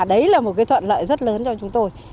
đấy là một cái thuận lợi rất lớn cho chúng tôi